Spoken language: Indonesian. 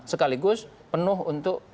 sekaligus penuh untuk